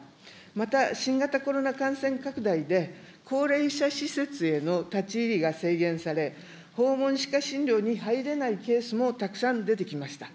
また、新型コロナ感染拡大で、高齢者施設への立ち入りが制限され、訪問歯科診療に入れないケースもたくさん出てきました。